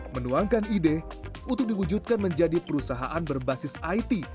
menuangkan ide untuk diwujudkan menjadi perusahaan berbasis it